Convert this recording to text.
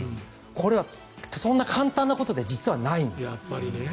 これはそんな簡単なことでは実はないんです。